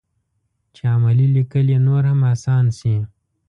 چې عملي لیکل یې نور هم اسان شي.